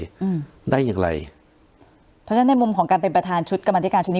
อืมได้อย่างไรเพราะฉะนั้นในมุมของการเป็นประธานชุดกรรมธิการชุดนี้